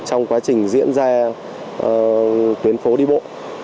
trong quá trình diễn ra tuyến phố đi bộ